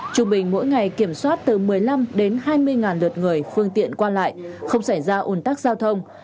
trung bình mỗi ngày kiểm soát từ một mươi năm đến hai mươi lượt người phương tiện qua lại không xảy ra ồn tắc giao thông